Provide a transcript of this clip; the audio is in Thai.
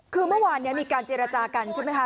คือเมื่อวานมีการเจรจากันใช่ไหมคะ